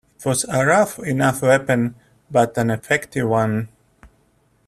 It was a rough enough weapon, but an effective one.